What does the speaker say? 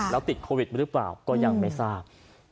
แล้วติดโควิดหรือเปล่าก็ยังไม่ทราบ